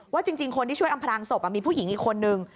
จริงคนที่ช่วยอำพรางศพมีผู้หญิงอีกคนนึง